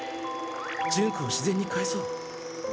ジュンコを自然にかえそう。